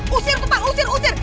usir tempat usir usir